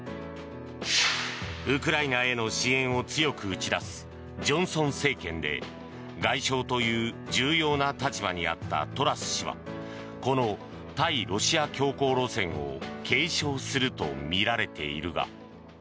ウクライナへの支援を強く打ち出すジョンソン政権で外相という重要な立場にあったトラス氏はこの対ロシア強硬路線を継承するとみられているが。